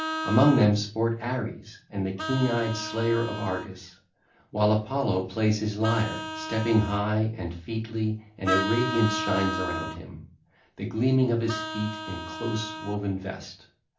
Among them sport Ares and the keen eyed Slayer of Argus, while Apollo plays his lyre stepping high and featly and a radiance shines around him, the gleaming of his feet and close woven vest.